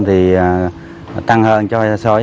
thì tăng hơn so với